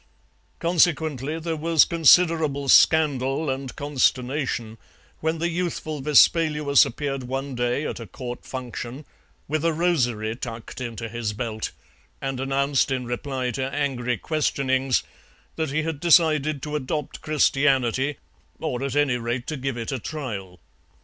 Consequently there was considerable scandal and consternation when the youthful Vespaluus appeared one day at a Court function with a rosary tucked into his belt, and announced in reply to angry questionings that he had decided to adopt Christianity, or at any rate to give it a trial.